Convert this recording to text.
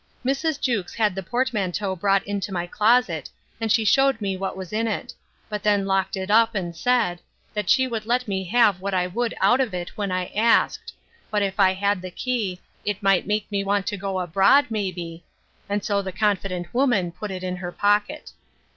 Mrs. Jewkes had the portmanteau brought into my closet, and she shewed me what was in it; but then locked it up, and said, she would let me have what I would out of it, when I asked; but if I had the key, it might make me want to go abroad, may be; and so the confident woman put it in her pocket.